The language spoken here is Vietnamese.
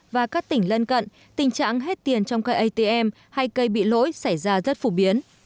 và các tỉnh lân cận tình trạng hết tiền trong cây atm hay cây bị lỗi xảy ra rất phổ biến